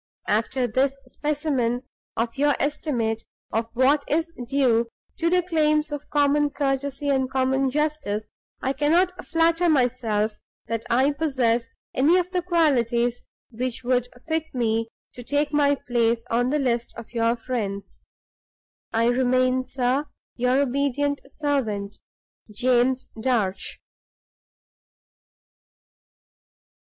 After this specimen of your estimate of what is due to the claims of common courtesy and common justice, I cannot flatter myself that I possess any of the qualities which would fit me to take my place on the list of your friends. "I remain, sir, your obedient servant, "JAMES DARCH."